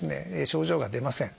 症状が出ません。